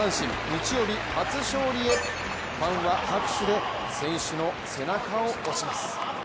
日曜日、初勝利へファンは拍手で選手の背中を押します。